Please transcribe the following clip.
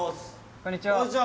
こんにちは